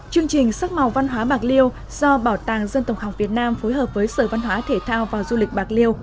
chương trình sắc màu văn hóa bạc liêu do bảo tàng dân tộc học việt nam phối hợp với sở văn hóa thể thao và du lịch bạc liêu